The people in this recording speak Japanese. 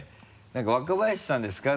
なんか「若林さんですか？」